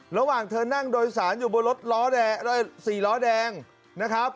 ระหว่างเธอนั่งโดยสารอยู่บนรถร้อแดงสี่ร้อแดงนะครับ